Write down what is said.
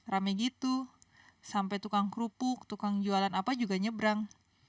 rame gitu sampai tukang kerupuk tukang jualan apa juga nyebrang